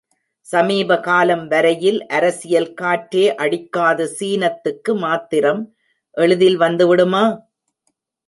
சமீப காலம் வரையில் அரசியல் காற்றே அடிக்காத சீனத்துக்கு மாத்திரம் எளிதில் வந்துவிடுமா?